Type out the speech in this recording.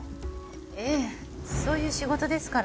ええそういう仕事ですから。